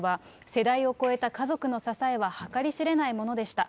世代を超えた家族の支えは計り知れないものでした。